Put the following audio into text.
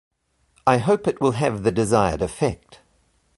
I hope it will have the desired effect.